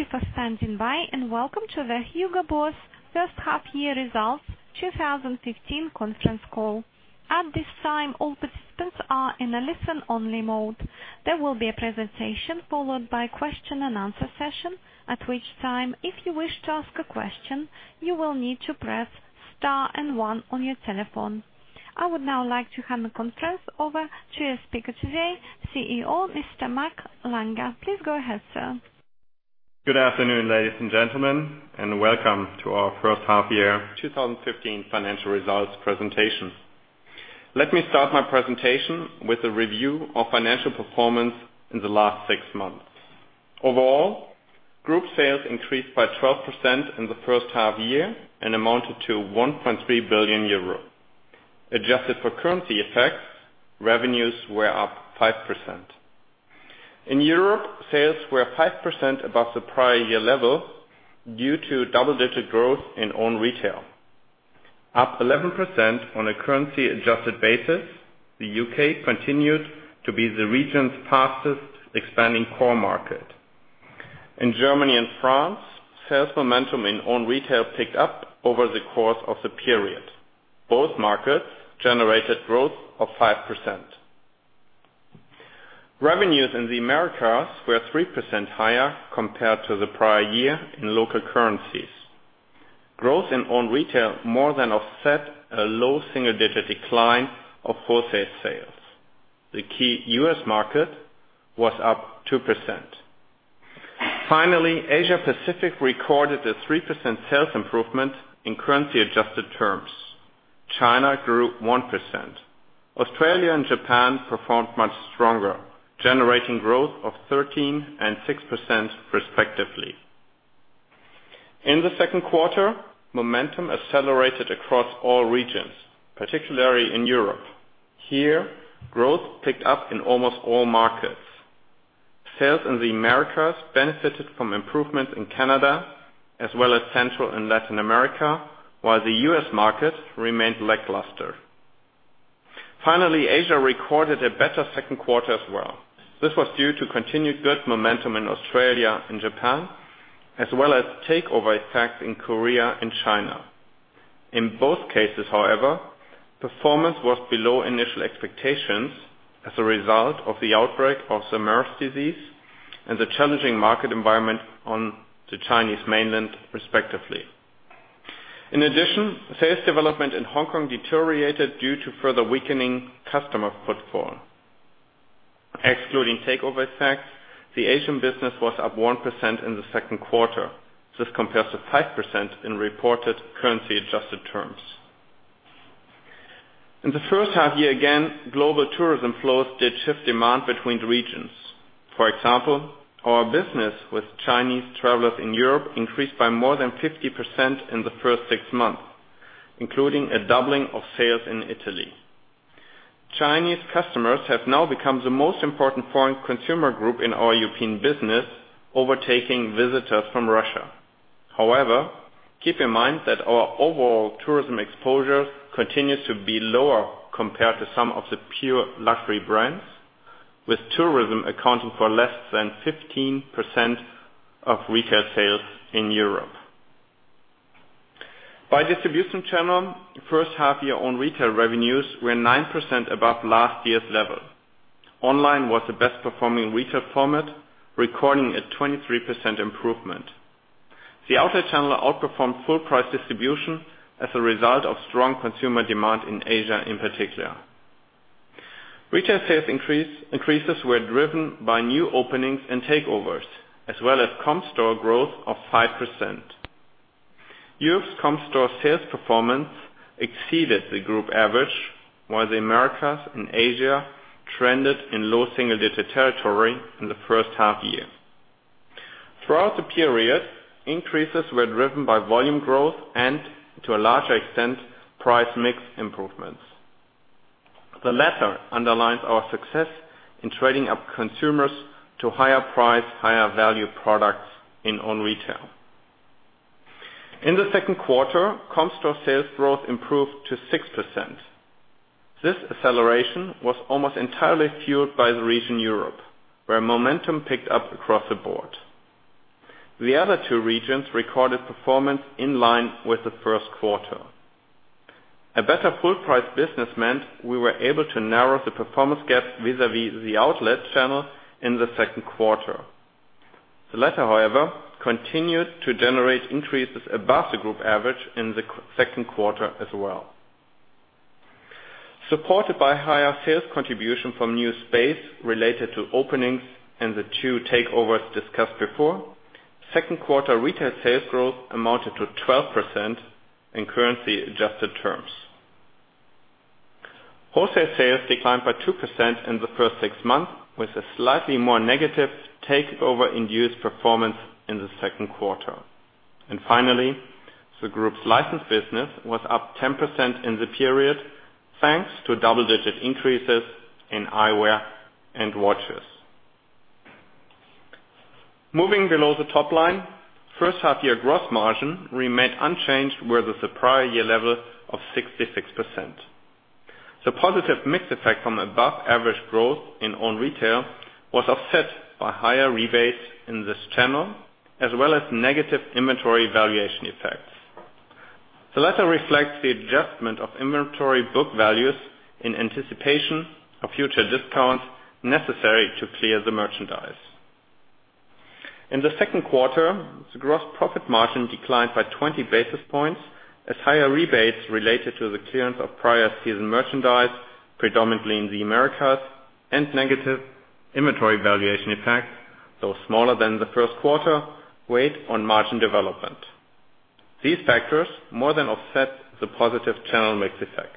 Thank you for standing by, and welcome to the Hugo Boss first half year results 2015 conference call. At this time, all participants are in a listen-only mode. There will be a presentation followed by question and answer session, at which time, if you wish to ask a question, you will need to press star and one on your telephone. I would now like to hand the conference over to your speaker today, CEO, Mr. Mark Langer. Please go ahead, sir. Good afternoon, ladies and gentlemen, and welcome to our first half year 2015 financial results presentation. Let me start my presentation with a review of financial performance in the last six months. Overall, group sales increased by 12% in the first half year and amounted to 1.3 billion euro. Adjusted for currency effects, revenues were up 5%. In Europe, sales were 5% above the prior year level due to double-digit growth in own retail. Up 11% on a currency-adjusted basis, the U.K. continued to be the region's fastest expanding core market. In Germany and France, sales momentum in own retail picked up over the course of the period. Both markets generated growth of 5%. Revenues in the Americas were 3% higher compared to the prior year in local currencies. Growth in own retail more than offset a low single-digit decline of wholesale sales. The key U.S. market was up 2%. Asia Pacific recorded a 3% sales improvement in currency-adjusted terms. China grew 1%. Australia and Japan performed much stronger, generating growth of 13% and 6% respectively. In the second quarter, momentum accelerated across all regions, particularly in Europe. Here, growth picked up in almost all markets. Sales in the Americas benefited from improvements in Canada as well as Central and Latin America, while the U.S. market remained lackluster. Asia recorded a better second quarter as well. This was due to continued good momentum in Australia and Japan, as well as takeover effects in Korea and China. In both cases, however, performance was below initial expectations as a result of the outbreak of the MERS disease and the challenging market environment on the Chinese mainland, respectively. In addition, sales development in Hong Kong deteriorated due to further weakening customer footfall. Excluding takeover effects, the Asian business was up 1% in the second quarter. This compares to 5% in reported currency-adjusted terms. In the first half year again, global tourism flows did shift demand between the regions. For example, our business with Chinese travelers in Europe increased by more than 50% in the first six months, including a doubling of sales in Italy. Chinese customers have now become the most important foreign consumer group in our European business, overtaking visitors from Russia. However, keep in mind that our overall tourism exposure continues to be lower compared to some of the pure luxury brands, with tourism accounting for less than 15% of retail sales in Europe. By distribution channel, first half year own retail revenues were 9% above last year's level. Online was the best-performing retail format, recording a 23% improvement. The outlet channel outperformed full price distribution as a result of strong consumer demand in Asia in particular. Retail sales increases were driven by new openings and takeovers, as well as comp store growth of 5%. Europe's comp store sales performance exceeded the group average, while the Americas and Asia trended in low single-digit territory in the first half year. Throughout the period, increases were driven by volume growth and, to a large extent, price mix improvements. The latter underlines our success in trading up consumers to higher price, higher value products in own retail. In the second quarter, comp store sales growth improved to 6%. This acceleration was almost entirely fueled by the region Europe, where momentum picked up across the board. The other two regions recorded performance in line with the first quarter. A better full price business meant we were able to narrow the performance gap vis-à-vis the outlet channel in the second quarter. The latter, however, continued to generate increases above the group average in the second quarter as well. Supported by higher sales contribution from new space related to openings and the two takeovers discussed before, second quarter retail sales growth amounted to 12% in currency-adjusted terms. Wholesale sales declined by 2% in the first six months, with a slightly more negative takeover-induced performance in the second quarter. Finally, the group's licensed business was up 10% in the period, thanks to double-digit increases in eyewear and watches. Moving below the top line, first half-year gross margin remained unchanged, whereas the prior year level of 66%. The positive mix effect from above average growth in own retail was offset by higher rebates in this channel, as well as negative inventory valuation effects. The latter reflects the adjustment of inventory book values in anticipation of future discounts necessary to clear the merchandise. In the second quarter, the gross profit margin declined by 20 basis points as higher rebates related to the clearance of prior season merchandise, predominantly in the Americas, and negative inventory valuation effects, though smaller than the first quarter, weighed on margin development. These factors more than offset the positive channel mix effect.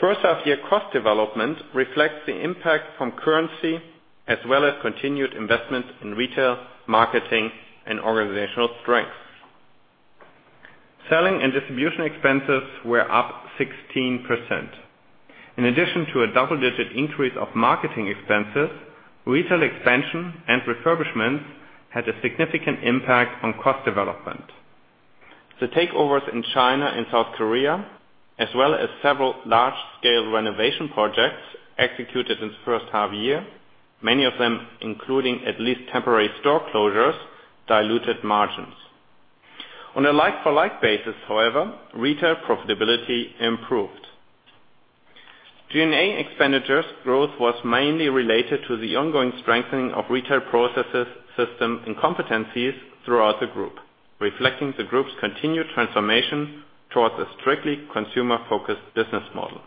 First half year cost development reflects the impact from currency as well as continued investments in retail, marketing, and organizational strength. Selling and distribution expenses were up 16%. In addition to a double-digit increase of marketing expenses, retail expansion and refurbishments had a significant impact on cost development. The takeovers in China and South Korea, as well as several large-scale renovation projects executed in the first half year, many of them including at least temporary store closures, diluted margins. On a like-for-like basis, however, retail profitability improved. G&A expenditures growth was mainly related to the ongoing strengthening of retail processes, systems, and competencies throughout the Group, reflecting the Group's continued transformation towards a strictly consumer-focused business model.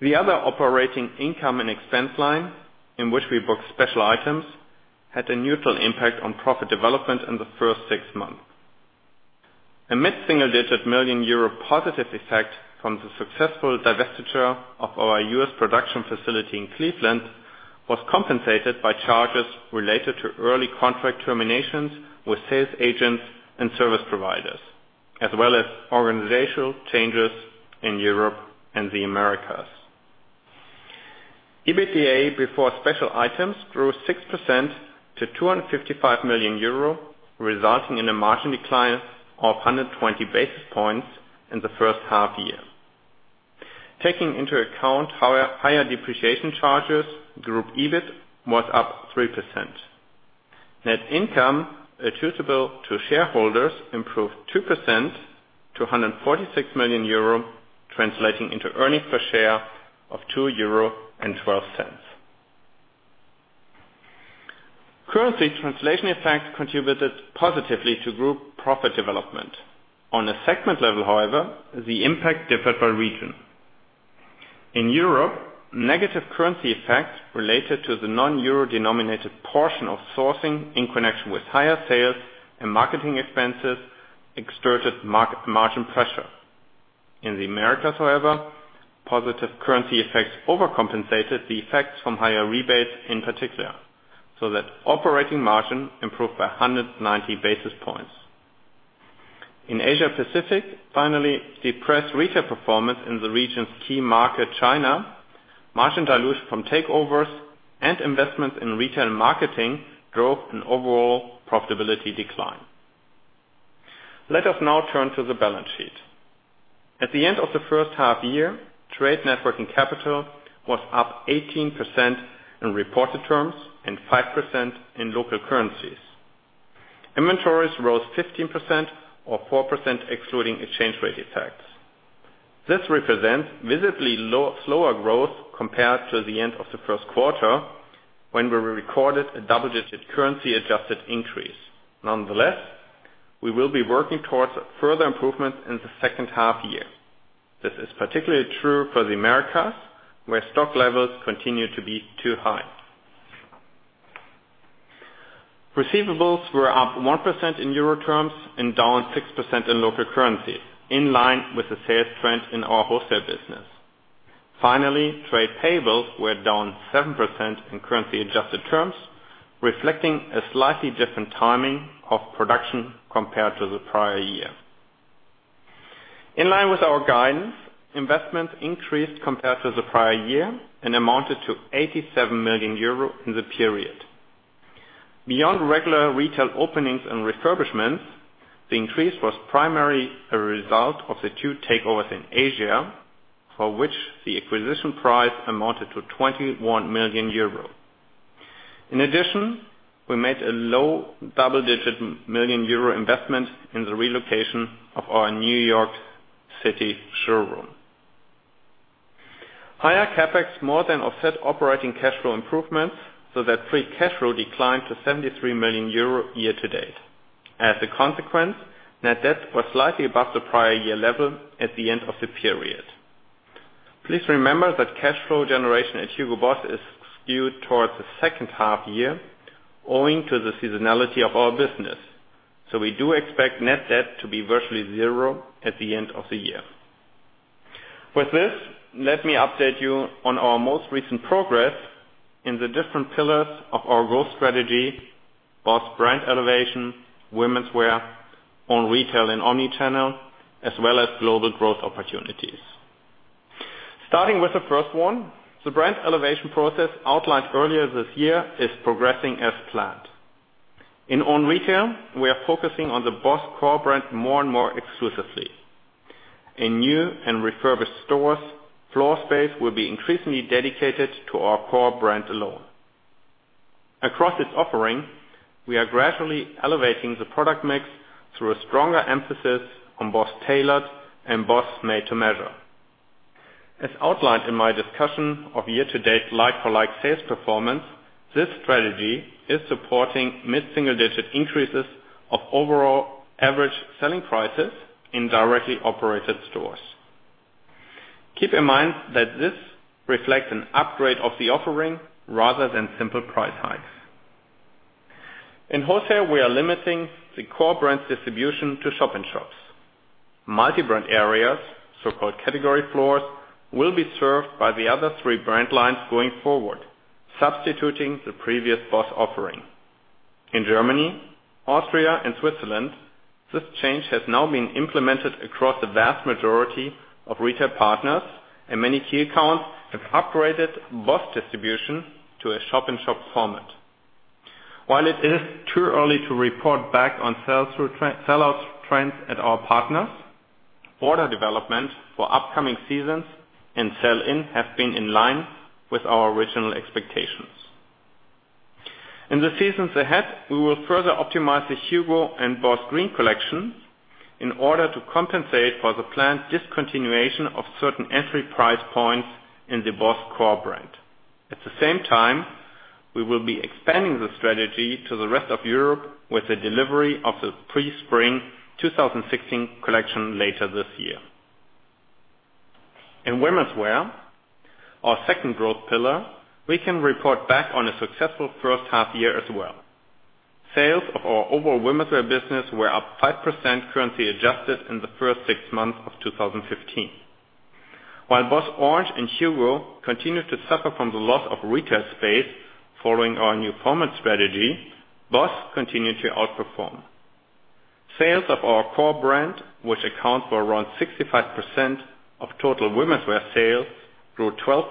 The other operating income and expense line, in which we book special items, had a neutral impact on profit development in the first six months. A mid-single digit million EUR positive effect from the successful divestiture of our U.S. production facility in Cleveland was compensated by charges related to early contract terminations with sales agents and service providers, as well as organizational changes in Europe and the Americas. EBITDA before special items grew 6% to 255 million euro, resulting in a margin decline of 120 basis points in the first half year. Taking into account higher depreciation charges, Group EBIT was up 3%. Net income attributable to shareholders improved 2% to 146 million euro, translating into earnings per share of 2.12 euro. Currency translation effects contributed positively to Group profit development. On a segment level, however, the impact differed by region. In Europe, negative currency effects related to the non-euro-denominated portion of sourcing in connection with higher sales and marketing expenses exerted margin pressure. In the Americas, however, positive currency effects overcompensated the effects from higher rebates in particular, so that operating margin improved by 190 basis points. In Asia Pacific, finally, depressed retail performance in the region's key market, China, margin dilution from takeovers, and investments in retail and marketing drove an overall profitability decline. Let us now turn to the balance sheet. At the end of the first half year, trade net working capital was up 18% in reported terms and 5% in local currencies. Inventories rose 15%, or 4% excluding exchange rate effects. This represents visibly slower growth compared to the end of the first quarter, when we recorded a double-digit currency-adjusted increase. Nonetheless, we will be working towards further improvements in the second half year. This is particularly true for the Americas, where stock levels continue to be too high. Receivables were up 1% in euro terms and down 6% in local currency, in line with the sales trend in our wholesale business. Finally, trade payables were down 7% in currency-adjusted terms, reflecting a slightly different timing of production compared to the prior year. In line with our guidance, investments increased compared to the prior year and amounted to 87 million euro in the period. Beyond regular retail openings and refurbishments, the increase was primarily a result of the 2 takeovers in Asia, for which the acquisition price amounted to 21 million euros. In addition, we made a low double-digit million euro investment in the relocation of our New York City showroom. Higher CapEx more than offset operating cash flow improvements so that free cash flow declined to 73 million euro year to date. As a consequence, net debt was slightly above the prior year level at the end of the period. Please remember that cash flow generation at Hugo Boss is skewed towards the second half year owing to the seasonality of our business. We do expect net debt to be virtually zero at the end of the year. With this, let me update you on our most recent progress in the different pillars of our growth strategy, BOSS Brand Elevation, womenswear, owned retail and omnichannel, as well as global growth opportunities. Starting with the first one, the brand elevation process outlined earlier this year is progressing as planned. In own retail, we are focusing on the BOSS core brand more and more exclusively. In new and refurbished stores, floor space will be increasingly dedicated to our core brand alone. Across its offering, we are gradually elevating the product mix through a stronger emphasis on BOSS tailored and BOSS made to measure. As outlined in my discussion of year-to-date like-for-like sales performance, this strategy is supporting mid-single-digit increases of overall average selling prices in directly operated stores. Keep in mind that this reflects an upgrade of the offering rather than simple price hikes. In wholesale, we are limiting the core brand distribution to shop-in-shops. Multi-brand areas, so-called category floors, will be served by the other three brand lines going forward, substituting the previous BOSS offering. In Germany, Austria, and Switzerland, this change has now been implemented across the vast majority of retail partners and many key accounts have upgraded BOSS distribution to a shop-in-shop format. While it is too early to report back on sell-out trends at our partners, order development for upcoming seasons and sell-in have been in line with our original expectations. In the seasons ahead, we will further optimize the HUGO and Boss Green collections in order to compensate for the planned discontinuation of certain entry price points in the BOSS core brand. At the same time, we will be expanding the strategy to the rest of Europe with the delivery of the pre-spring 2016 collection later this year. In womenswear, our second growth pillar, we can report back on a successful first half year as well. Sales of our overall womenswear business were up 5% currency adjusted in the first six months of 2015. While Boss Orange and HUGO continued to suffer from the loss of retail space following our new format strategy, BOSS continued to outperform. Sales of our core brand, which account for around 65% of total womenswear sales, grew 12%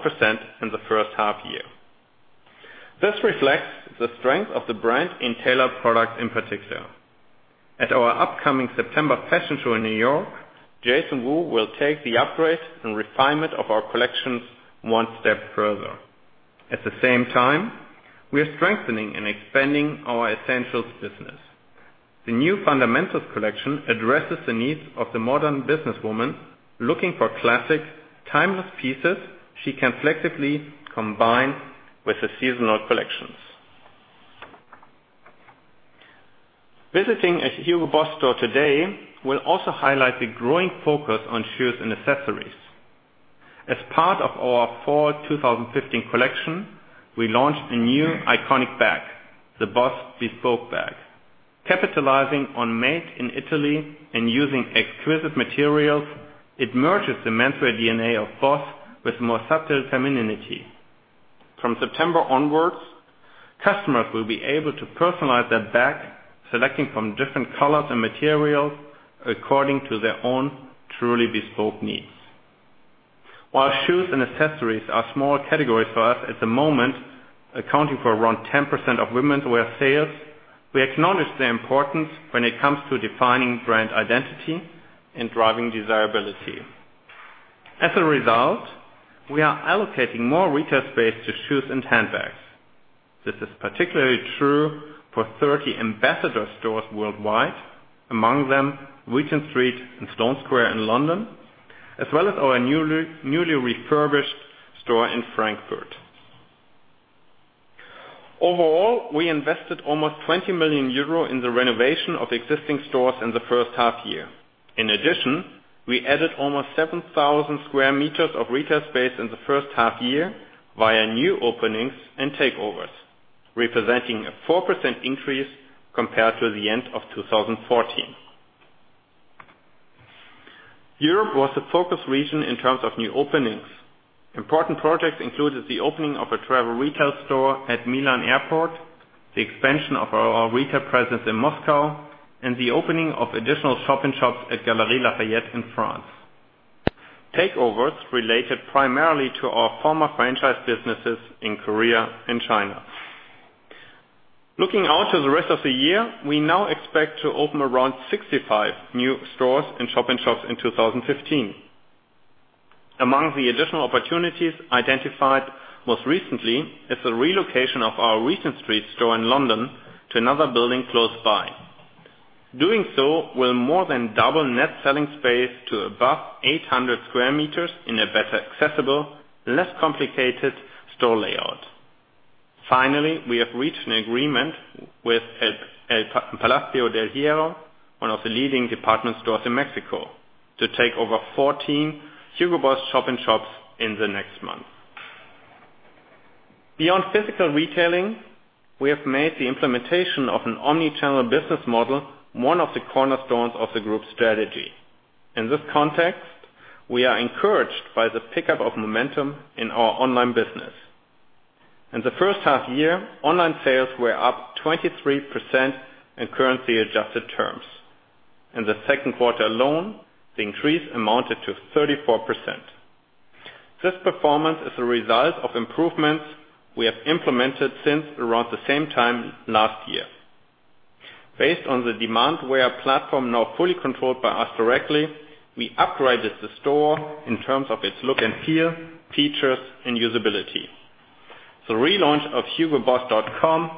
in the first half year. This reflects the strength of the brand in tailored products in particular. At our upcoming September fashion show in New York, Jason Wu will take the upgrade and refinement of our collections one step further. At the same time, we are strengthening and expanding our essentials business. The new fundamentals collection addresses the needs of the modern businesswoman looking for classic, timeless pieces she can flexibly combine with the seasonal collections. Visiting a Hugo Boss store today will also highlight the growing focus on shoes and accessories. As part of our fall 2015 collection, we launched a new iconic bag, the Boss Bespoke Bag. Capitalizing on made in Italy and using exquisite materials, it merges the menswear DNA of BOSS with more subtle femininity. From September onwards, customers will be able to personalize their bag, selecting from different colors and materials according to their own truly bespoke needs. While shoes and accessories are small categories for us at the moment, accounting for around 10% of womenswear sales, we acknowledge their importance when it comes to defining brand identity and driving desirability. As a result, we are allocating more retail space to shoes and handbags. This is particularly true for 30 ambassador stores worldwide, among them Regent Street and Sloane Square in London, as well as our newly refurbished store in Frankfurt. Overall, we invested almost 20 million euro in the renovation of existing stores in the first half year. In addition, we added almost 7,000 sq m of retail space in the first half year via new openings and takeovers, representing a 4% increase compared to the end of 2014. Europe was the focus region in terms of new openings. Important projects included the opening of a travel retail store at Milan Airport, the expansion of our retail presence in Moscow, and the opening of additional shop-in-shops at Galeries Lafayette in France. Takeovers related primarily to our former franchise businesses in Korea and China. Looking out to the rest of the year, we now expect to open around 65 new stores and shop-in-shops in 2015. Among the additional opportunities identified most recently is the relocation of our Regent Street store in London to another building close by. Doing so will more than double net selling space to above 800 sq m in a better accessible, less complicated store layout. Finally, we have reached an agreement with El Palacio de Hierro, one of the leading department stores in Mexico, to take over 14 Hugo Boss shop-in-shops in the next month. Beyond physical retailing, we have made the implementation of an omni-channel business model one of the cornerstones of the group's strategy. In this context, we are encouraged by the pickup of momentum in our online business. In the first half year, online sales were up 23% in currency-adjusted terms. In the second quarter alone, the increase amounted to 34%. This performance is a result of improvements we have implemented since around the same time last year. Based on the Demandware platform now fully controlled by us directly, we upgraded the store in terms of its look and feel, features, and usability. The relaunch of hugoboss.com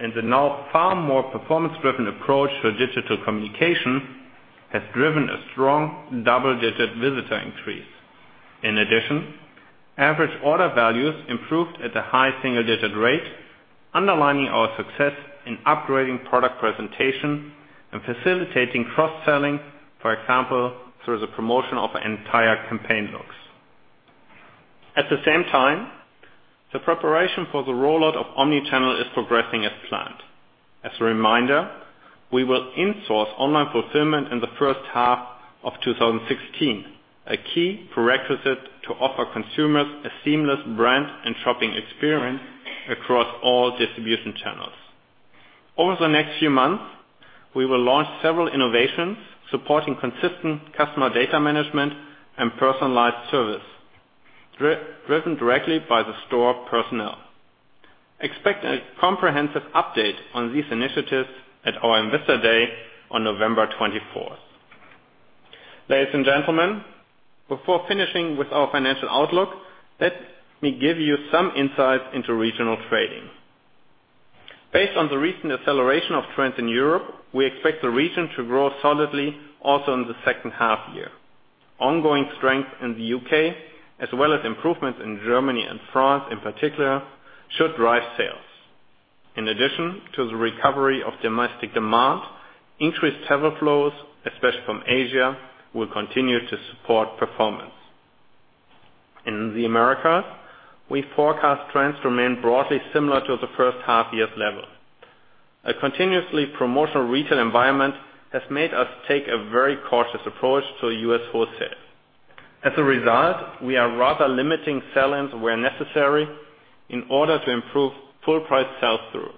and the now far more performance-driven approach to digital communication has driven a strong double-digit visitor increase. In addition, average order values improved at a high single-digit rate, underlining our success in upgrading product presentation and facilitating cross-selling, for example, through the promotion of entire campaign looks. At the same time, the preparation for the rollout of omni-channel is progressing as planned. As a reminder, we will in-source online fulfillment in the first half of 2016, a key prerequisite to offer consumers a seamless brand and shopping experience across all distribution channels. Over the next few months, we will launch several innovations supporting consistent customer data management and personalized service, driven directly by the store personnel. Expect a comprehensive update on these initiatives at our investor day on November 24. Ladies and gentlemen, before finishing with our financial outlook, let me give you some insights into regional trading. Based on the recent acceleration of trends in Europe, we expect the region to grow solidly also in the second half year. Ongoing strength in the U.K., as well as improvements in Germany and France in particular, should drive sales. In addition to the recovery of domestic demand, increased travel flows, especially from Asia, will continue to support performance. In the Americas, we forecast trends to remain broadly similar to the first half year's level. A continuously promotional retail environment has made us take a very cautious approach to U.S. wholesale. As a result, we are rather limiting sell-ins where necessary in order to improve full price sell-through.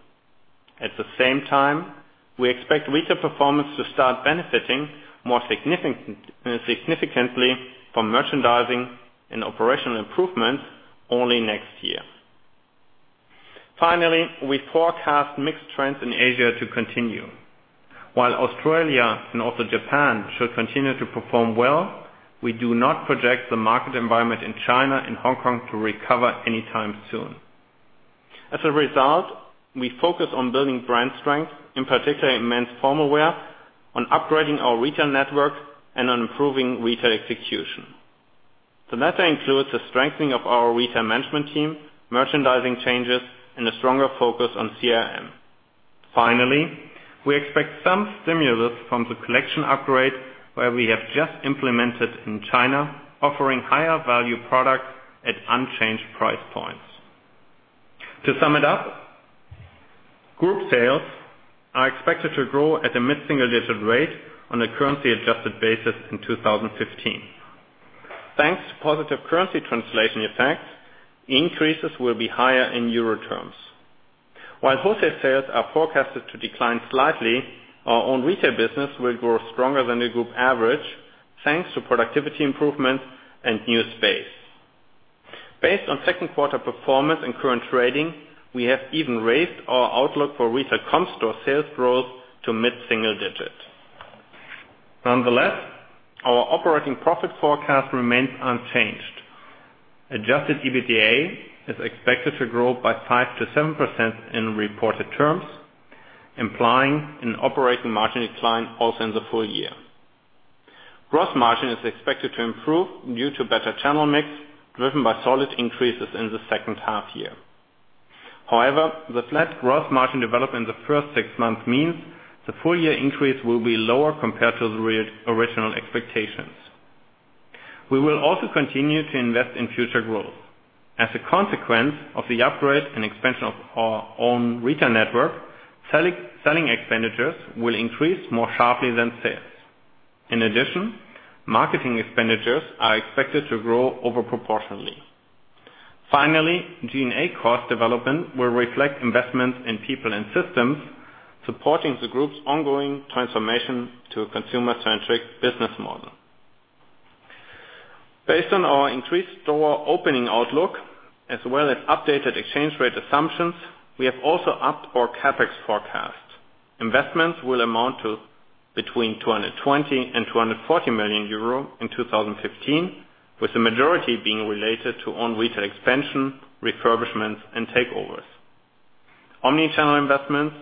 At the same time, we expect retail performance to start benefiting more significantly from merchandising and operational improvements only next year. Finally, we forecast mixed trends in Asia to continue. While Australia and also Japan should continue to perform well, we do not project the market environment in China and Hong Kong to recover anytime soon. As a result, we focus on building brand strength, in particular in men's formal wear, on upgrading our retail network, and on improving retail execution. The latter includes the strengthening of our retail management team, merchandising changes, and a stronger focus on CRM. Finally, we expect some stimulus from the collection upgrade, where we have just implemented in China, offering higher value product at unchanged price points. To sum it up, group sales are expected to grow at a mid-single-digit rate on a currency-adjusted basis in 2015. Thanks to positive currency translation effect, increases will be higher in EUR terms. While wholesale sales are forecasted to decline slightly, our own retail business will grow stronger than the group average, thanks to productivity improvements and new space. Based on second quarter performance and current trading, we have even raised our outlook for retail comp store sales growth to mid-single-digit. Nonetheless, our operating profit forecast remains unchanged. Adjusted EBITDA is expected to grow by 5%-7% in reported terms, implying an operating margin decline also in the full year. Gross margin is expected to improve due to better channel mix, driven by solid increases in the second half year. The flat gross margin development in the first six months means the full-year increase will be lower compared to the original expectations. We will also continue to invest in future growth. As a consequence of the upgrade and expansion of our own retail network, selling expenditures will increase more sharply than sales. In addition, marketing expenditures are expected to grow over proportionally. Finally, G&A cost development will reflect investments in people and systems, supporting the group's ongoing transformation to a consumer-centric business model. Based on our increased store opening outlook, as well as updated exchange rate assumptions, we have also upped our CapEx forecast. Investments will amount to between 220 million and 240 million euro in 2015, with the majority being related to own retail expansion, refurbishments, and takeovers. Omni-channel investments,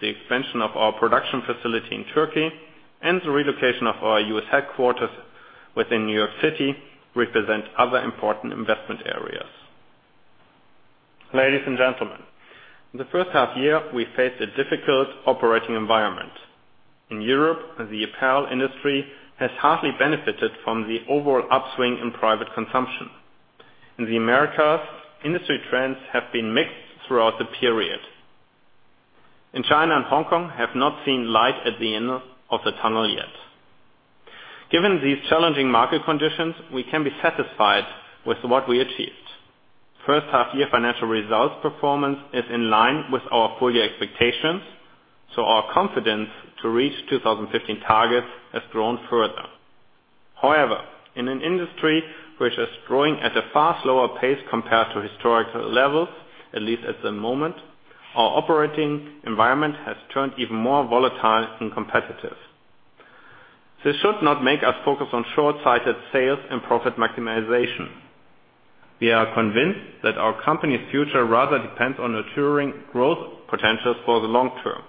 the expansion of our production facility in Turkey, and the relocation of our U.S. headquarters within New York City represent other important investment areas. Ladies and gentlemen, in the first half year, we faced a difficult operating environment. In Europe, the apparel industry has hardly benefited from the overall upswing in private consumption. In the Americas, industry trends have been mixed throughout the period. In China and Hong Kong, we have not seen light at the end of the tunnel yet. Given these challenging market conditions, we can be satisfied with what we achieved. First half-year financial results performance is in line with our full-year expectations, our confidence to reach 2015 targets has grown further. In an industry which is growing at a far slower pace compared to historical levels, at least at the moment, our operating environment has turned even more volatile and competitive. This should not make us focus on short-sighted sales and profit maximization. We are convinced that our company's future rather depends on ensuring growth potentials for the long term.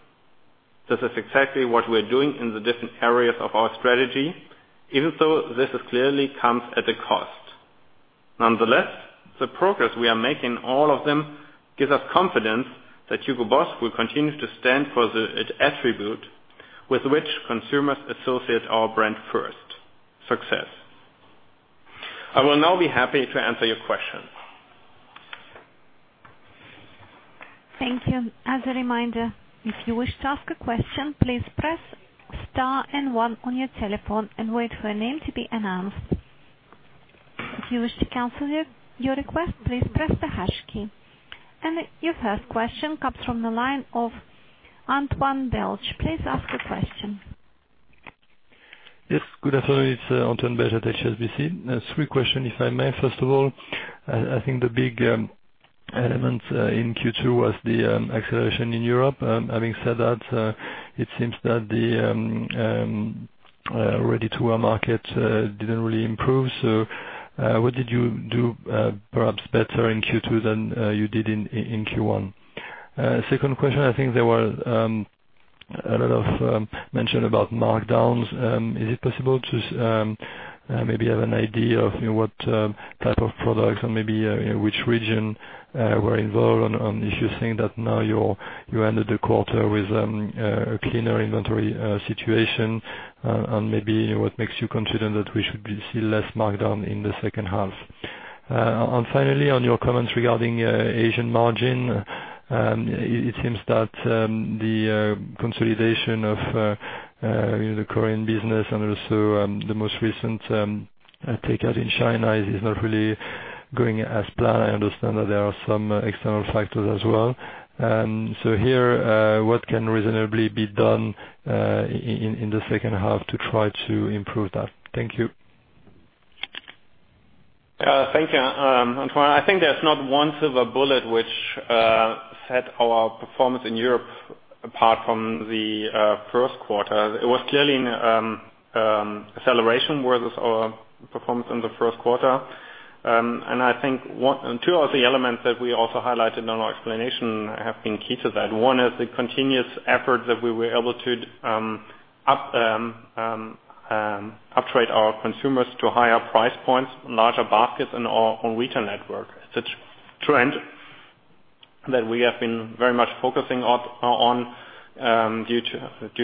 This is exactly what we're doing in the different areas of our strategy, even though this clearly comes at a cost. Nonetheless, the progress we are making, all of them, gives us confidence that Hugo Boss will continue to stand for its attribute with which consumers associate our brand first, success. I will now be happy to answer your questions. Thank you. As a reminder, if you wish to ask a question, please press star and one on your telephone and wait for a name to be announced. If you wish to cancel your request, please press the hash key. Your first question comes from the line of Antoine Belge. Please ask the question. Yes, good afternoon. It's Antoine Belge at HSBC. Three question, if I may. First of all, I think the big element in Q2 was the acceleration in Europe. Having said that, it seems that the ready-to-wear market didn't really improve. What did you do perhaps better in Q2 than you did in Q1? Second question, I think there were a lot of mention about markdowns. Is it possible to maybe have an idea of what type of products and maybe which region were involved? If you think that now you ended the quarter with a cleaner inventory situation and maybe what makes you confident that we should see less markdown in the second half? Finally, on your comments regarding Asian margin, it seems that the consolidation of the Korean business and also the most recent takeout in China is not really going as planned. I understand that there are some external factors as well. Here, what can reasonably be done in the second half to try to improve that? Thank you. Thank you, Antoine. I think there's not one silver bullet which set our performance in Europe apart from the first quarter. I think two of the elements that we also highlighted in our explanation have been key to that. One is the continuous effort that we were able to up-trade our consumers to higher price points, larger baskets in our retail network. It's a trend that we have been very much focusing on due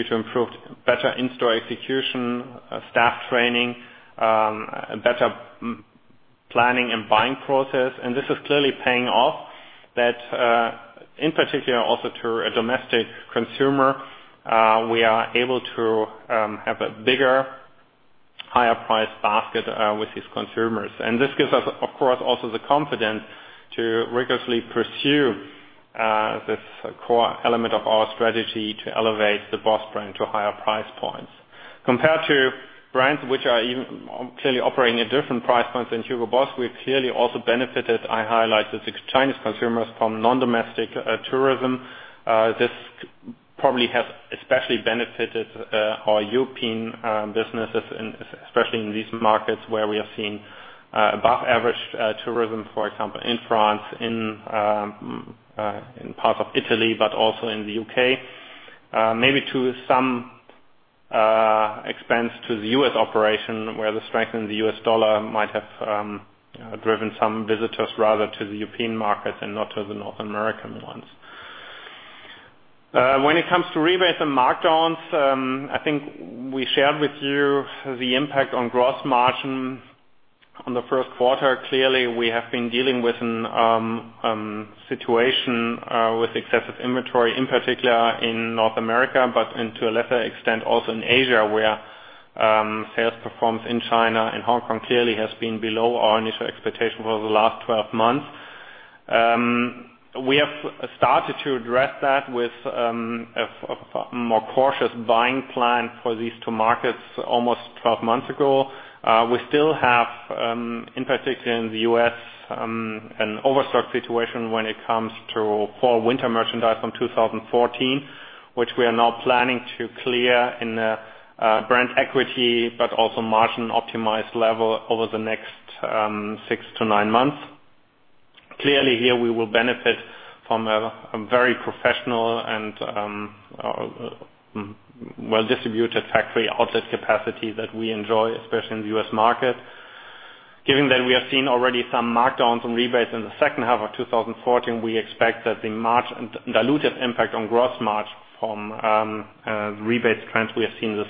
to improved better in-store execution, staff training, better planning and buying process. This is clearly paying off that, in particular also to a domestic consumer, we are able to have a bigger, higher priced basket with these consumers. This gives us, of course, also the confidence to rigorously pursue this core element of our strategy to elevate the BOSS brand to higher price points. Compared to brands which are even clearly operating at different price points than Hugo Boss, we clearly also benefited. I highlighted the Chinese consumers from non-domestic tourism. This probably has especially benefited our European businesses, especially in these markets where we are seeing above average tourism, for example, in France, in parts of Italy, but also in the U.K. Maybe to some expense to the U.S. operation where the strength in the US dollar might have driven some visitors rather to the European markets and not to the North American ones. When it comes to rebates and markdowns, I think we shared with you the impact on gross margin on the first quarter. Clearly, we have been dealing with a situation with excessive inventory, in particular in North America, but to a lesser extent, also in Asia, where sales performance in China and Hong Kong clearly has been below our initial expectation for the last 12 months. We have started to address that with a more cautious buying plan for these two markets almost 12 months ago. We still have, in particular in the U.S., an overstock situation when it comes to fall-winter merchandise from 2014, which we are now planning to clear in a brand equity but also margin-optimized level over the next six to nine months. Clearly here we will benefit from a very professional and well-distributed factory outlet capacity that we enjoy, especially in the U.S. market. Given that we have seen already some markdowns and rebates in the second half of 2014, we expect that the margin diluted impact on gross margin from rebates trends we have seen in the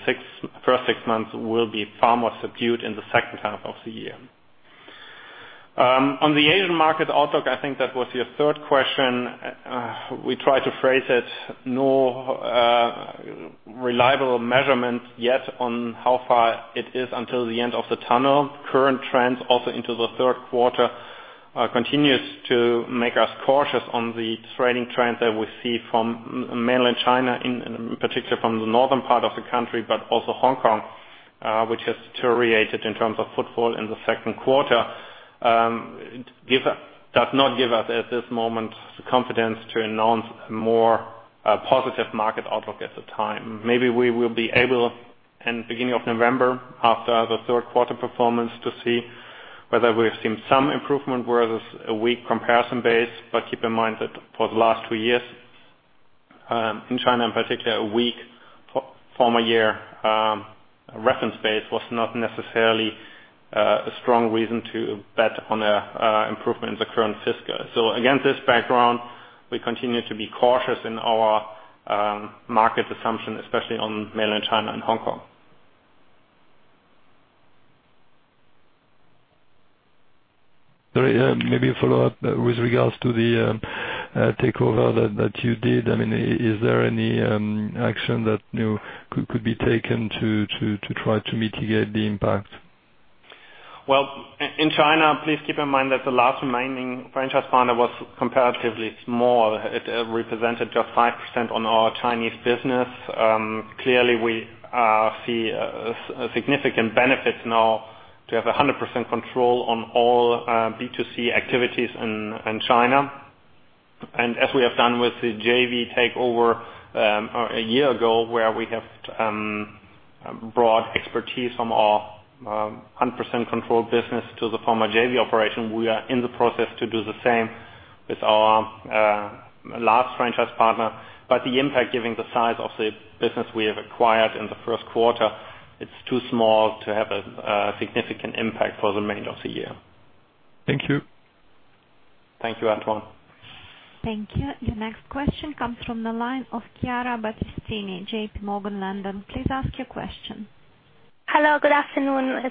first six months will be far more subdued in the second half of the year. On the Asian market outlook, I think that was your third question. We try to phrase it, no reliable measurements yet on how far it is until the end of the tunnel. Current trends, also into the third quarter, continues to make us cautious on the trading trend that we see from Mainland China, in particular, from the northern part of the country, but also Hong Kong, which has deteriorated in terms of footfall in the second quarter. It does not give us, at this moment, the confidence to announce more positive market outlook at the time. Maybe we will be able in beginning of November, after the third quarter performance, to see whether we've seen some improvement where there is a weak comparison base. Keep in mind that for the last two years, in China in particular, a weak former year reference base was not necessarily a strong reason to bet on improvement in the current fiscal. Against this background, we continue to be cautious in our market assumption, especially on Mainland China and Hong Kong. Sorry, maybe a follow-up with regards to the takeover that you did. Is there any action that could be taken to try to mitigate the impact? Well, in China, please keep in mind that the last remaining franchise partner was comparatively small. It represented just 5% on our Chinese business. Clearly, we see a significant benefit now to have 100% control on all B2C activities in China. As we have done with the JV takeover a year ago, where we have brought expertise from our 100% controlled business to the former JV operation, we are in the process to do the same with our last franchise partner. The impact, given the size of the business we have acquired in the first quarter, it is too small to have a significant impact for the remainder of the year. Thank you. Thank you, Antoine. Thank you. The next question comes from the line of Chiara Battistini, JPMorgan London. Please ask your question. Hello. Good afternoon.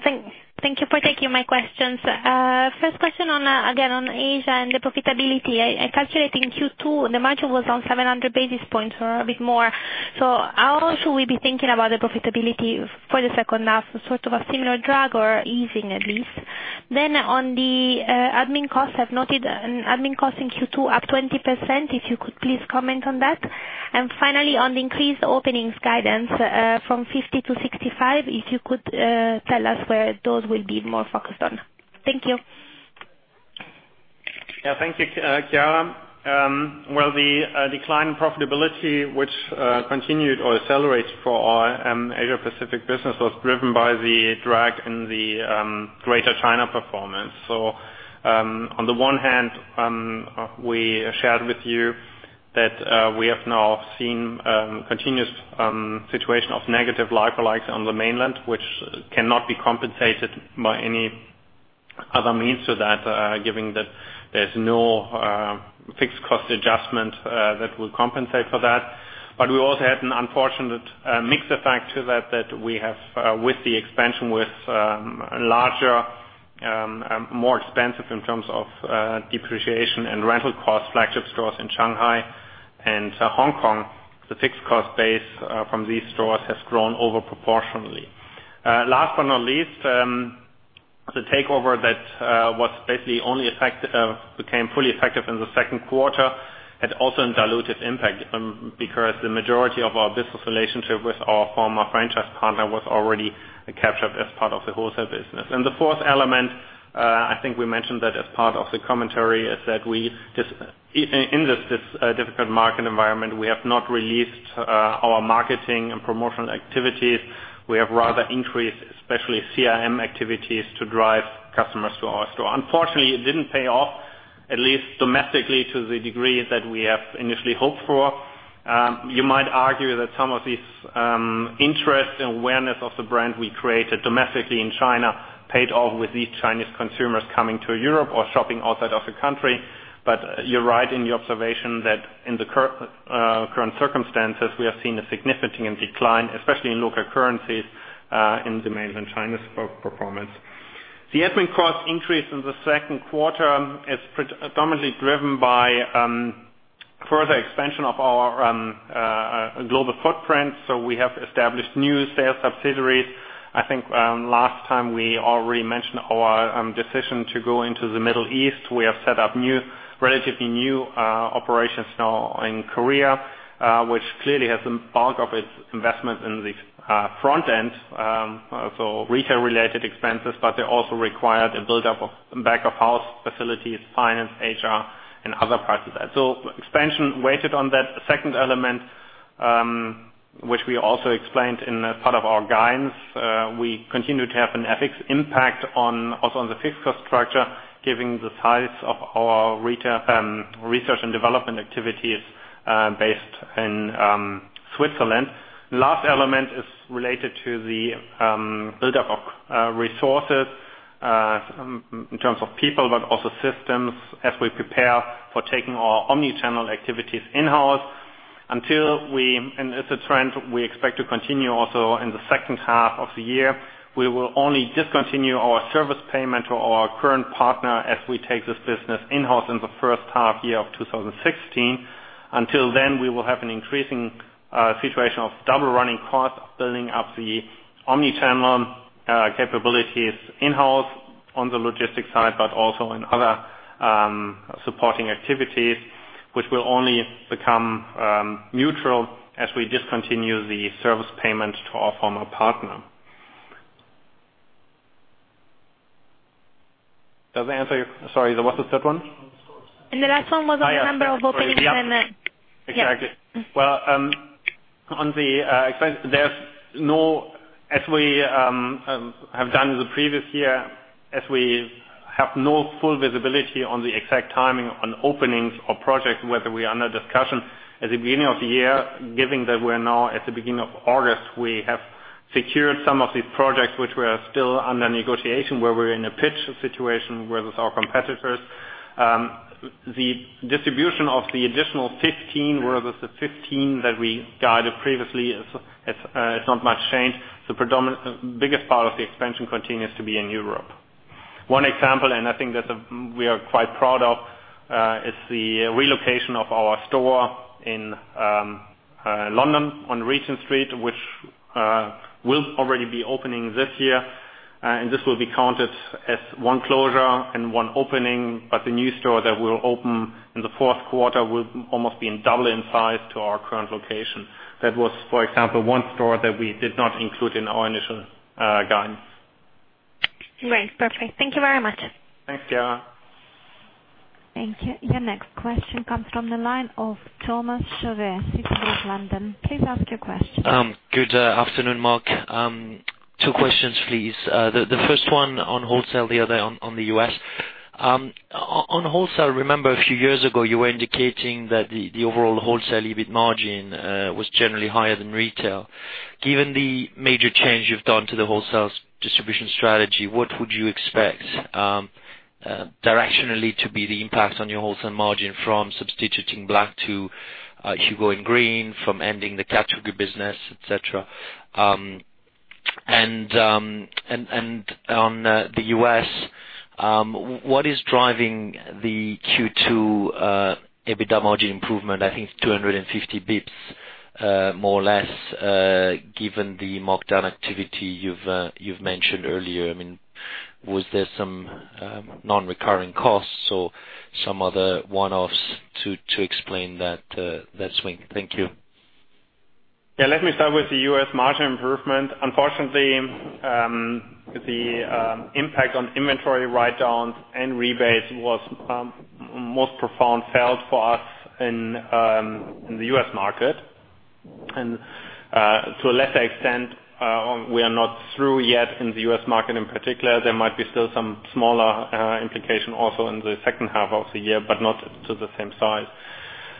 Thank you for taking my questions. First question, again on Asia and the profitability. I calculate in Q2, the margin was down 700 basis points or a bit more. How should we be thinking about the profitability for the second half? Sort of a similar drag or easing, at least? On the admin costs, I've noted admin costs in Q2 up 20%, if you could please comment on that. Finally, on increased openings guidance from 50 to 65, if you could tell us where those will be more focused on. Thank you. Thank you, Chiara. Well, the decline in profitability, which continued or accelerated for our Asia Pacific business, was driven by the drag in the Greater China performance. On the one hand, we shared with you that we have now seen a continuous situation of negative like-for-likes on the Mainland, which cannot be compensated by any other means to that, given that there's no fixed cost adjustment that will compensate for that. We also had an unfortunate mix effect to that we have with the expansion with larger, more expensive in terms of depreciation and rental costs, flagship stores in Shanghai and Hong Kong. The fixed cost base from these stores has grown over proportionally. Last but not least, the takeover that became fully effective in the second quarter, had also a dilutive impact, because the majority of our business relationship with our former franchise partner was already captured as part of the wholesale business. The fourth element, I think we mentioned that as part of the commentary, is that in this difficult market environment, we have not released our marketing and promotional activities. We have rather increased, especially CRM activities to drive customers to our store. Unfortunately, it didn't pay off, at least domestically, to the degree that we have initially hoped for. You might argue that some of these interest and awareness of the brand we created domestically in China paid off with these Chinese consumers coming to Europe or shopping outside of the country. You're right in your observation that in the current circumstances, we have seen a significant decline, especially in local currencies, in the Mainland China performance. The admin cost increase in the second quarter is predominantly driven by further expansion of our global footprint. We have established new sales subsidiaries. I think last time we already mentioned our decision to go into the Middle East. We have set up relatively new operations now in Korea, which clearly has the bulk of its investment in the front end. Retail-related expenses, but they also required a buildup of back-of-house facilities, finance, HR, and other parts of that. Expansion weighted on that second element, which we also explained in part of our guidance. We continue to have a CapEx impact also on the fixed cost structure, given the size of our research and development activities based in Switzerland. Last element is related to the buildup of resources in terms of people, but also systems as we prepare for taking our omni-channel activities in-house. Until we, and it's a trend we expect to continue also in the second half of the year, we will only discontinue our service payment to our current partner as we take this business in-house in the first half year of 2016. Until then, we will have an increasing situation of double running costs, building up the omni-channel capabilities in-house on the logistics side, but also in other supporting activities, which will only become neutral as we discontinue the service payment to our former partner. Does that answer? Sorry, what was the third one? The last one was on the number of openings. Exactly. On the expense, as we have done in the previous year, as we have no full visibility on the exact timing on openings of projects, whether we are under discussion at the beginning of the year, given that we're now at the beginning of August, we have secured some of these projects which were still under negotiation, where we're in a pitch situation versus our competitors. The distribution of the additional 15 versus the 15 that we guided previously, it's not much change. The biggest part of the expansion continues to be in Europe. One example, and I think that we are quite proud of, is the relocation of our store in London on Regent Street, which will already be opening this year. This will be counted as one closure and one opening, but the new store that will open in the fourth quarter will almost be double in size to our current location. That was, for example, one store that we did not include in our initial guidance. Great. Perfect. Thank you very much. Thanks, Chiara. Thank you. Your next question comes from the line of Thomas Chauvet, Citi London. Please ask your question. Good afternoon, Mark. Two questions, please. The first one on wholesale, the other on the U.S. On wholesale, remember a few years ago, you were indicating that the overall wholesale EBIT margin was generally higher than retail. Given the major change you've done to the wholesale distribution strategy, what would you expect directionally to be the impact on your wholesale margin from substituting BOSS to HUGO and Boss Green from ending the category business, et cetera? What is driving the Q2 EBITDA margin improvement, I think 250 basis points, more or less, given the markdown activity you've mentioned earlier? Was there some non-recurring costs or some other one-offs to explain that swing? Thank you. Let me start with the U.S. margin improvement. Unfortunately, the impact on inventory write-downs and rebates was most profound felt for us in the U.S. market. To a lesser extent, we are not through yet in the U.S. market in particular. There might be still some smaller implication also in the second half of the year, but not to the same size.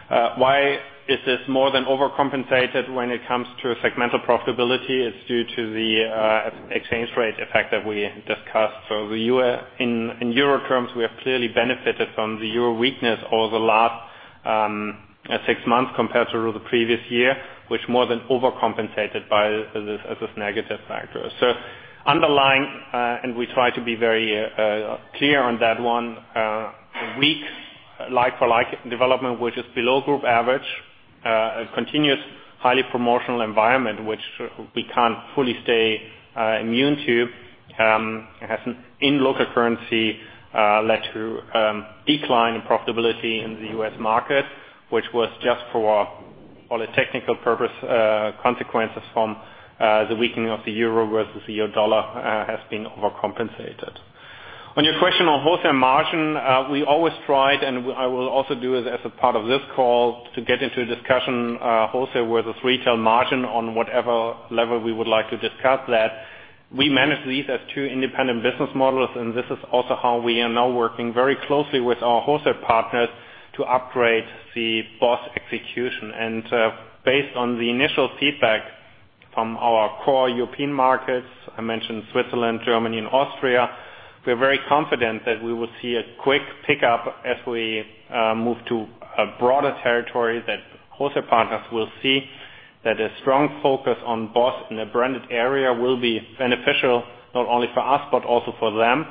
Why is this more than overcompensated when it comes to segmental profitability? It's due to the exchange rate effect that we discussed. In Euro terms, we have clearly benefited from the Euro weakness over the last six months compared to the previous year, which more than overcompensated by this as this negative factor. Underlying, and we try to be very clear on that one, weak like-for-like development, which is below group average, a continuous highly promotional environment, which we can't fully stay immune to, has, in local currency, led to decline in profitability in the U.S. market, which was just for all the technical purpose, consequences from the weakening of the Euro versus the U.S. dollar has been overcompensated. On your question on wholesale margin, we always tried, and I will also do as a part of this call to get into a discussion wholesale with a retail margin on whatever level we would like to discuss that. We manage these as two independent business models, and this is also how we are now working very closely with our wholesale partners to upgrade the BOSS execution. Based on the initial feedback from our core European markets, I mentioned Switzerland, Germany, and Austria, we're very confident that we will see a quick pickup as we move to a broader territory that wholesale partners will see that a strong focus on BOSS in a branded area will be beneficial not only for us but also for them,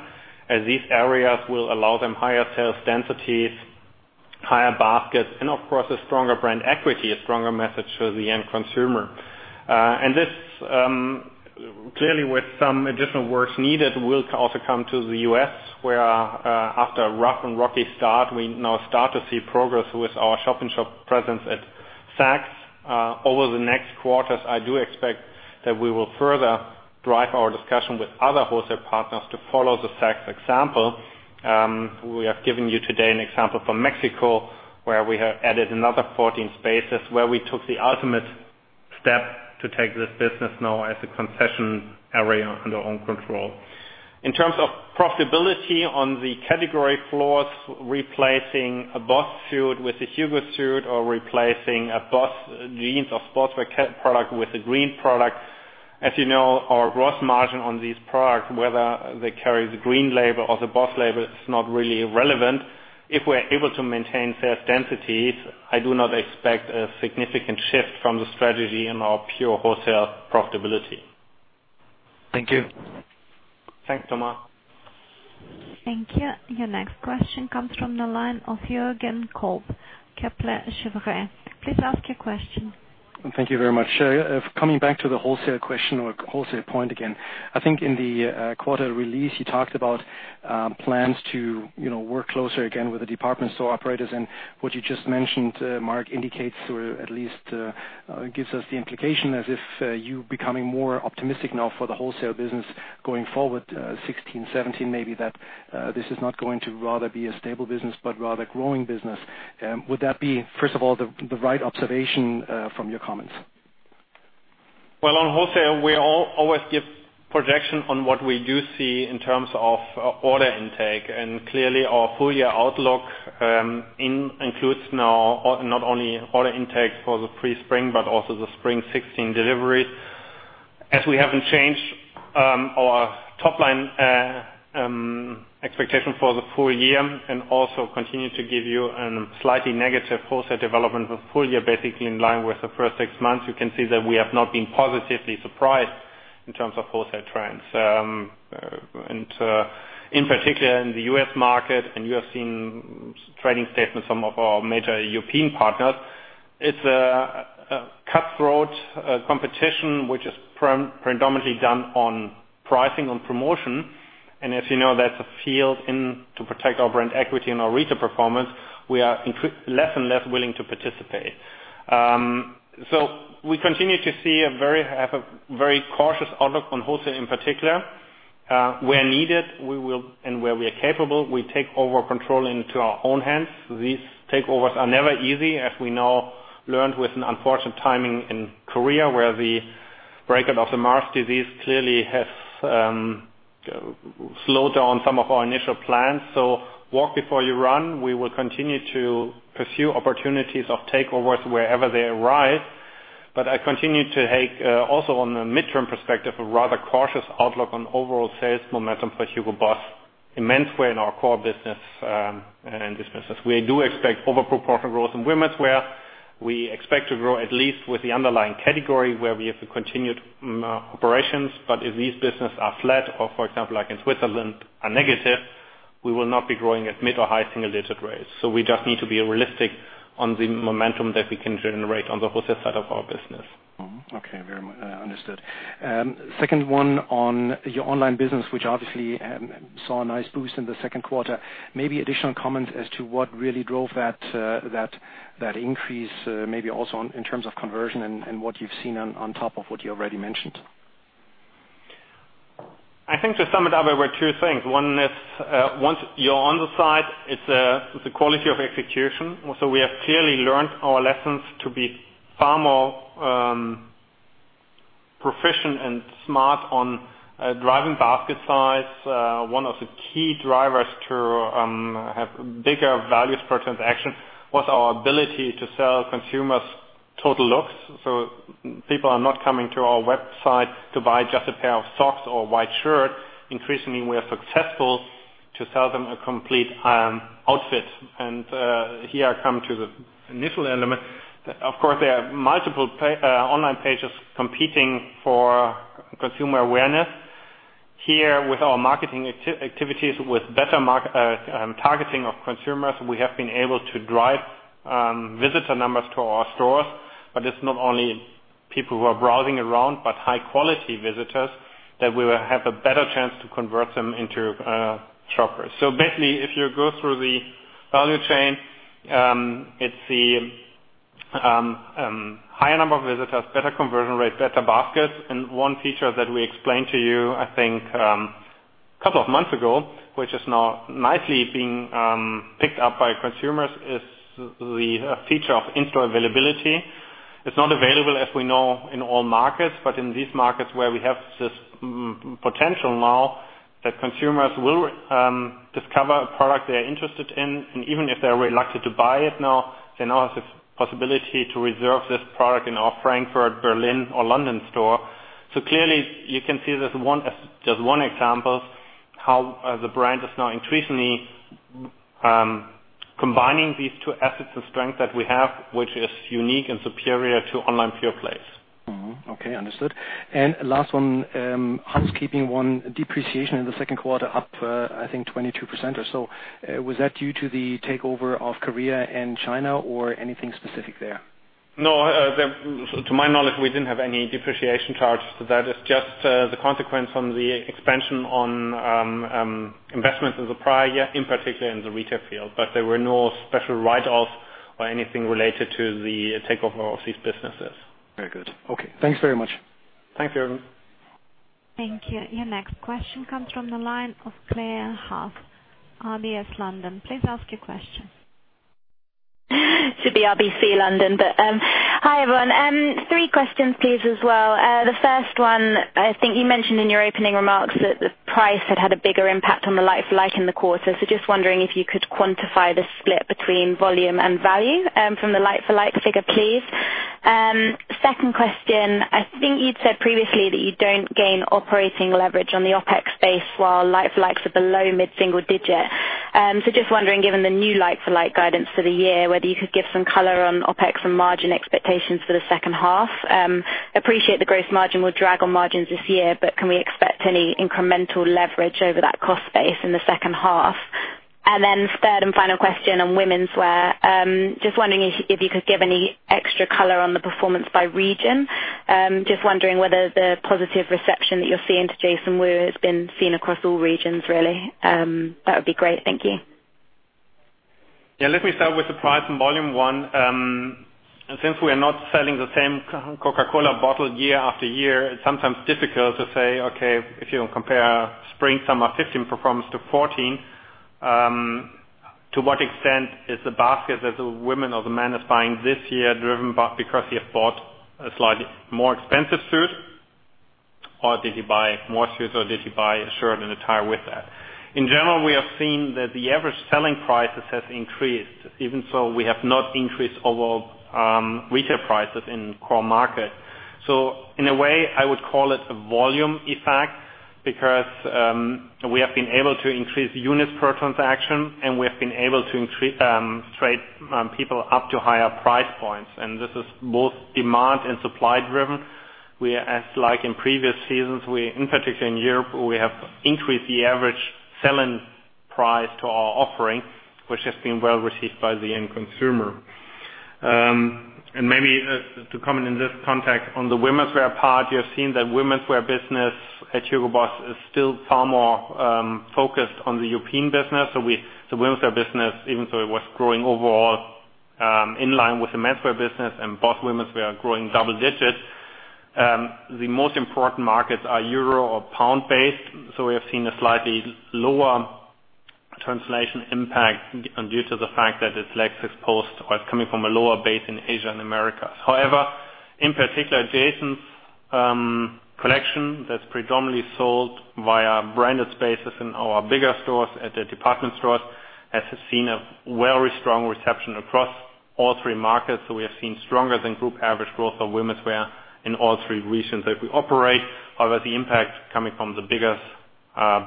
as these areas will allow them higher sales densities, higher baskets, and of course, a stronger brand equity, a stronger message to the end consumer. This, clearly with some additional works needed, will also come to the U.S., where after a rough and rocky start, we now start to see progress with our shop-in-shop presence at Saks. Over the next quarters, I do expect that we will further drive our discussion with other wholesale partners to follow the Saks example. We have given you today an example from Mexico, where we have added another 14 spaces where we took the ultimate step to take this business now as a concession area under own control. In terms of profitability on the category floors, replacing a BOSS suit with a HUGO suit or replacing a BOSS jeans or sportswear product with a Green product. As you know, our gross margin on these products, whether they carry the Green label or the BOSS label, it's not really relevant. If we're able to maintain sales densities, I do not expect a significant shift from the strategy in our pure wholesale profitability. Thank you. Thanks, Thomas. Thank you. Your next question comes from the line of Jürgen Kolb, Kepler Cheuvreux. Please ask your question. Thank you very much. Coming back to the wholesale question or wholesale point again, I think in the quarter release, you talked about plans to work closer again with the department store operators and what you just mentioned, Mark, indicates or at least gives us the implication as if you're becoming more optimistic now for the wholesale business going forward, 2016, 2017, maybe that this is not going to rather be a stable business, but rather growing business. Would that be, first of all, the right observation from your comments? Well, on wholesale, we always give projection on what we do see in terms of order intake. Clearly our full year outlook includes now not only order intake for the pre-spring, but also the spring 2016 delivery. As we haven't changed our top line expectation for the full year and also continue to give you a slightly negative wholesale development of full year, basically in line with the first six months, you can see that we have not been positively surprised in terms of wholesale trends. In particular in the U.S. market, and you have seen trading statements, some of our major European partners, it's a cutthroat competition, which is predominantly done on pricing, on promotion. As you know, that's a field in, to protect our brand equity and our retail performance, we are less and less willing to participate. We continue to have a very cautious outlook on wholesale in particular. Where needed and where we are capable, we take over control into our own hands. These takeovers are never easy, as we now learned with an unfortunate timing in Korea, where the outbreak of the MERS disease clearly has slowed down some of our initial plans. Walk before you run. We will continue to pursue opportunities of takeovers wherever they arise. I continue to take, also on a midterm perspective, a rather cautious outlook on overall sales momentum for Hugo Boss in menswear in our core business and this business. We do expect over proportion growth in womenswear. We expect to grow at least with the underlying category where we have continued operations. If these business are flat or, for example, like in Switzerland, are negative, we will not be growing at mid or high single-digit rates. We just need to be realistic on the momentum that we can generate on the wholesale side of our business. Okay. Very much understood. Second one on your online business, which obviously saw a nice boost in the second quarter. Maybe additional comments as to what really drove that increase, maybe also in terms of conversion and what you've seen on top of what you already mentioned? I think to sum it up, there were two things. One is, once you're on the site, it's the quality of execution. We have clearly learned our lessons to be far more proficient and smart on driving basket size. One of the key drivers to have bigger values per transaction was our ability to sell consumers total looks. People are not coming to our website to buy just a pair of socks or a white shirt. Increasingly, we are successful to sell them a complete outfit. Here I come to the initial element. Of course, there are multiple online pages competing for consumer awareness. Here with our marketing activities, with better targeting of consumers, we have been able to drive visitor numbers to our stores, but it's not only people who are browsing around, but high-quality visitors that we will have a better chance to convert them into shoppers. Basically, if you go through the value chain, it's the higher number of visitors, better conversion rate, better baskets. One feature that we explained to you, I think, a couple of months ago, which is now nicely being picked up by consumers, is the feature of in-store availability. It's not available, as we know, in all markets, but in these markets where we have this potential now that consumers will discover a product they are interested in, and even if they are reluctant to buy it now, they now have the possibility to reserve this product in our Frankfurt, Berlin, or London store. Clearly you can see this as just one example how the brand is now increasingly combining these two assets of strength that we have, which is unique and superior to online pure plays. Okay, understood. Last one, housekeeping one, depreciation in the second quarter up, I think 22% or so. Was that due to the takeover of Korea and China or anything specific there? No. To my knowledge, we didn't have any depreciation charges. That is just the consequence on the expansion on investments in the prior year, in particular in the retail field. There were no special write-offs or anything related to the takeover of these businesses. Very good. Okay. Thanks very much. Thanks, Jürgen. Thank you. Your next question comes from the line of Claire Huff, RBC London. Please ask your question. Should be RBC London. Hi, everyone. Three questions, please, as well. The first one, I think you mentioned in your opening remarks that the price had had a bigger impact on the like-for-like in the quarter. Just wondering if you could quantify the split between volume and value from the like-for-like figure, please. Second question. I think you'd said previously that you don't gain operating leverage on the OpEx base while like-for-likes are below mid-single digit. Just wondering, given the new like-for-like guidance for the year, whether you could give some color on OpEx and margin expectations for the second half. Appreciate the gross margin will drag on margins this year, but can we expect any incremental leverage over that cost base in the second half? Third and final question on womenswear. Just wondering if you could give any extra color on the performance by region. Just wondering whether the positive reception that you're seeing to Jason Wu has been seen across all regions, really. That would be great. Thank you. Yeah, let me start with the price and volume one. Since we're not selling the same Coca-Cola bottle year after year, it's sometimes difficult to say, okay, if you compare spring/summer 2015 performance to 2014, to what extent is the basket that the woman or the man is buying this year driven because he has bought a slightly more expensive suit or did he buy more suits or did he buy a shirt and a tie with that? In general, we have seen that the average selling prices has increased. Even so, we have not increased overall retail prices in core market. In a way, I would call it a volume effect because we have been able to increase units per transaction, and we have been able to trade people up to higher price points. This is both demand and supply driven, where as like in previous seasons, in particular in Europe, we have increased the average selling price to our offering, which has been well received by the end consumer. Maybe to comment in this context on the womenswear part, you have seen that womenswear business at Hugo Boss is still far more focused on the European business. The womenswear business, even though it was growing overall in line with the menswear business and both womenswear growing double digits. The most important markets are EUR or pound-based. We have seen a slightly lower translation impact due to the fact that it lacks exposed or it's coming from a lower base in Asia and Americas. However, in particular, Jason's collection that's predominantly sold via branded spaces in our bigger stores at the department stores, has seen a very strong reception across all three markets. We have seen stronger than group average growth of womenswear in all three regions that we operate. However, the impact coming from the biggest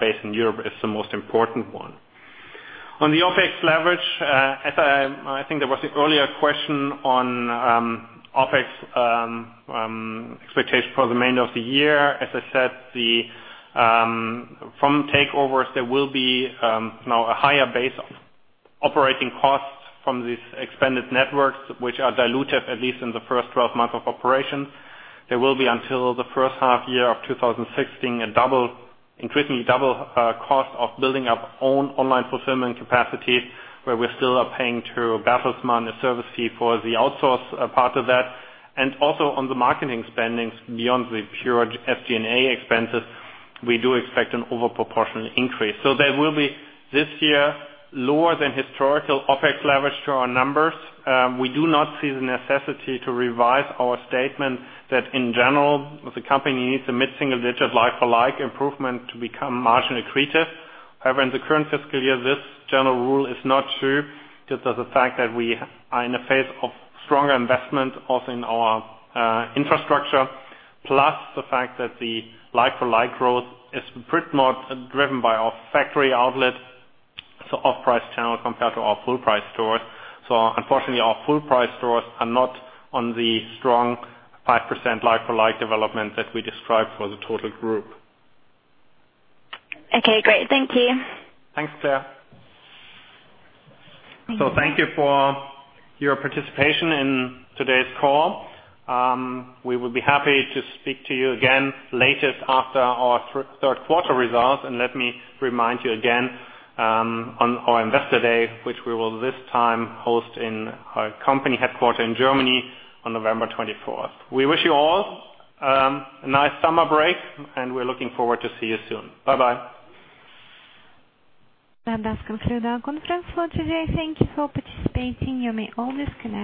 base in Europe is the most important one. On the OpEx leverage, I think there was an earlier question on OpEx expectation for the remainder of the year. As I said, from takeovers, there will be now a higher base of operating costs from these expanded networks, which are dilutive at least in the first 12 months of operation. There will be until the first half year of 2016, increasingly double cost of building up own online fulfillment capacity, where we still are paying to Bertelsmann a service fee for the outsource part of that. Also on the marketing spendings beyond the pure SG&A expenses, we do expect an overproportionate increase. There will be this year lower than historical OpEx leverage to our numbers. We do not see the necessity to revise our statement that, in general, the company needs a mid-single-digit like-for-like improvement to become margin accretive. However, in the current fiscal year, this general rule is not true due to the fact that we are in a phase of stronger investment also in our infrastructure. Plus the fact that the like-for-like growth is pretty much driven by our factory outlet, so off-price channel compared to our full-price stores. Unfortunately, our full-price stores are not on the strong 5% like-for-like development that we described for the total group. Okay, great. Thank you. Thanks, Claire. Thank you for your participation in today's call. We will be happy to speak to you again later after our third quarter results. Let me remind you again on our Investor Day, which we will this time host in our company headquarter in Germany on November 24th. We wish you all a nice summer break and we're looking forward to see you soon. Bye-bye. That does conclude our conference for today. Thank you for participating. You may all disconnect.